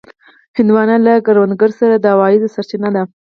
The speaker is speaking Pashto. هندوانه له کروندګرو سره د عوایدو سرچینه ده.